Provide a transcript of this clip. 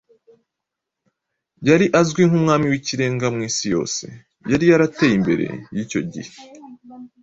Yari azwi nk’umwami w’ikirenga mu isi yose yari yarateye imbere y’icyo gihe.